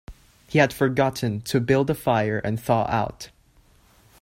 He had forgotten to build a fire and thaw out.